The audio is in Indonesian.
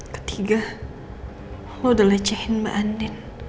ketiga lo udah lecehin mbak andre